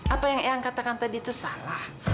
apa yang katakan tadi itu salah